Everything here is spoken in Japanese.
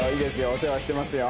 お世話してますよ。